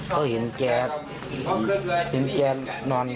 ก็เห็นแกนอน